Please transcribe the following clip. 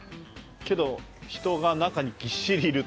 けど人が中にぎっしりいるというか。